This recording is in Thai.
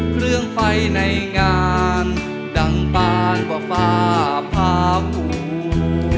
เครื่องไฟในงานดังปานกว่าฟ้าผ่า